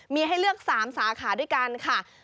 มีให้เลือก๓สาขาด้วยกันค่ะ